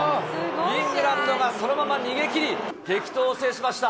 イングランドがそのまま逃げ切り、激闘を制しました。